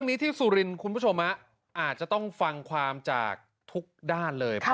นี้ที่สุรินทร์คุณผู้ชมอาจจะต้องฟังความจากทุกด้านเลย